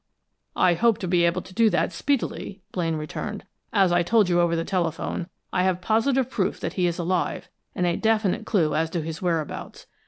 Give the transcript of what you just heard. "I hope to be able to do that speedily," Blaine returned. "As I told you over the telephone, I have positive proof that he is alive, and a definite clue as to his whereabouts.